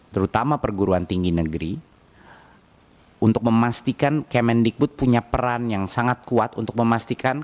terutama perguruan tinggi negeri untuk memastikan kemendikbud punya peran yang sangat kuat untuk memastikan